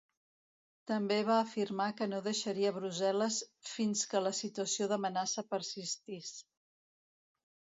També va afirmar que no deixaria Brussel·les fins que la situació d'amenaça persistís.